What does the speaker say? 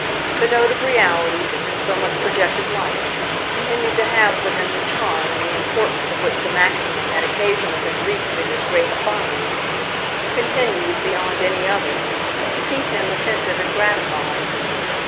The note of reality, in so much projected light, continued to have for him the charm and the importance of which the maximum had occasionally been reached in his great "finds" continued, beyond any other, to keep him attentive and gratified.